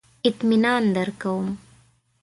اطمینان درکوم.